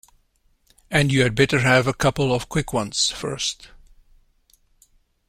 And you had better have a couple of quick ones first.